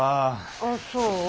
あっそう。